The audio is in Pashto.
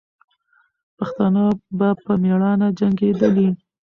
پښتانه به په میړانه جنګېدلې.